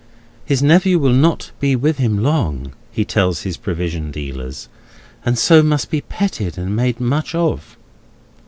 His nephew will not be with him long, he tells his provision dealers, and so must be petted and made much of.